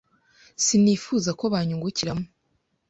sinifuza ko banyungukiramo.